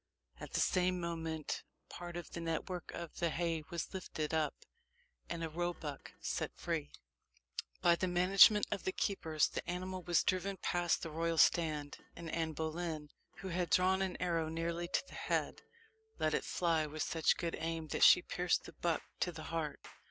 At the same moment part of the network of the haye was lifted up, and a roebuck set free. By the management of the keepers, the animal was driven past the royal stand; and Anne Boleyn, who had drawn an arrow nearly to the head, let it fly with such good aim that she pierced the buck to the heart.